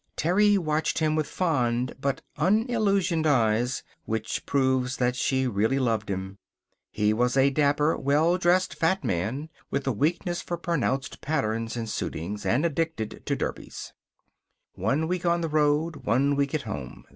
Terry watched him with fond but unillusioned eyes, which proves that she really loved him. He was a dapper, well dressed fat man, with a weakness for pronounced patterns in suitings, and addicted to derbies. One week on the road, one week at home.